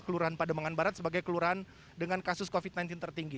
kelurahan pademangan barat sebagai kelurahan dengan kasus covid sembilan belas tertinggi